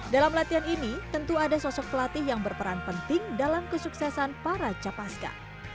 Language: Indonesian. dalam latihan ini tentu ada sosok pelatih yang berperan penting dalam kesuksesan para capaska